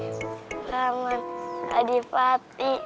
selamat adi pati